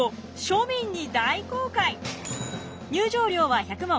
入場料は１００文。